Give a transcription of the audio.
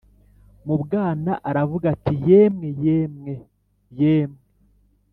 mubwana aravuga ati”yemwe yemwe yemwe